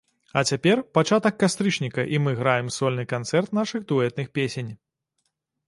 А цяпер пачатак кастрычніка, і мы граем сольны канцэрт нашых дуэтных песень.